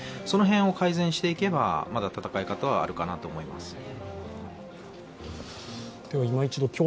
その辺を改善していけば、まだ戦い方はあると思います。